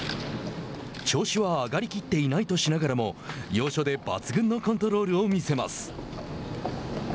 調子は上がりきっていないとしながらも要所で抜群のコントロールを見せます。